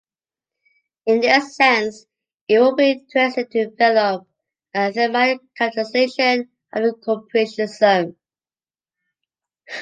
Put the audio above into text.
In this sense, it would be interesting to develop a thematic capitalization of the cooperation zone.